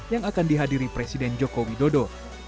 yang akan dihadiri presiden joko widodo